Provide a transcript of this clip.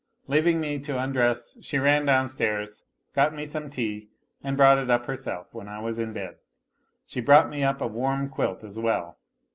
Leaving ime to undress she ran 'downstairs, got me some tea, and brought it up herself when I was in bed. She brought me up a warm quilt as well.